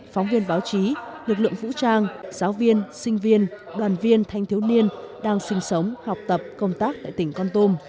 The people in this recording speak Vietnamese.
phóng viên báo chí lực lượng vũ trang giáo viên sinh viên đoàn viên thanh thiếu niên đang sinh sống học tập công tác tại tỉnh con tum